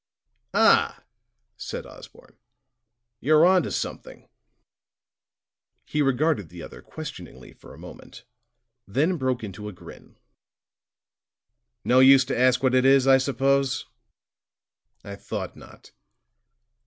"Ah," said Osborne, "you're onto something!" He regarded the other questioningly for a moment, then broke into a grin. "No use to ask what it is, I suppose? I thought not.